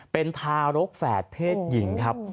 เป็นทารกแฝดเพศหญิงครับ